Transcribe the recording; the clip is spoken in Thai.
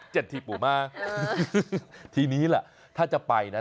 เจริญที่ปูมาเออทีนี้แหละถ้าจะไปน่ะ